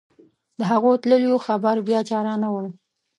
د هغو تللیو خبر بیا چا رانه وړ.